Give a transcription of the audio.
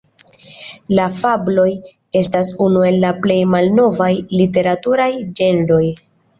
La fabloj estas unu el la plej malnovaj literaturaj ĝenroj.